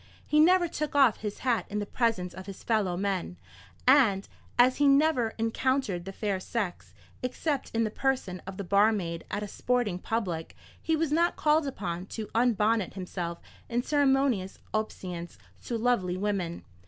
He never took off his hat in the presence of his fellow men; and as he never encountered the fair sex, except in the person of the barmaid at a sporting public, he was not called upon to unbonnet himself in ceremonious obeisance to lovely woman.